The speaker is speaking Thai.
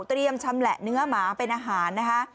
ชำแหละเนื้อหมาเป็นอาหารนะคะ